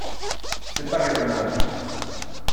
C’est pas raisonnable